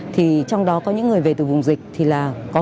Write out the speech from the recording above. thì trong đó có những người về từ vùng dịch thì có nguy cơ rất là nhiều